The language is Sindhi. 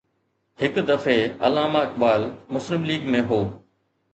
هڪ دفعي علامه اقبال مسلم ليگ ۾ هو.